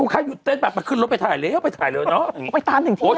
ก็ขึ้นรถไปถ่ายแล้วไปถ่ายเร็วเนอะ